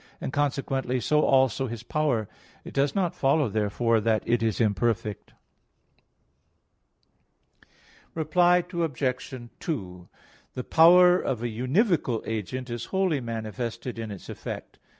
1); and consequently so also His power. It does not follow, therefore, that it is imperfect. Reply Obj. 2: The power of a univocal agent is wholly manifested in its effect.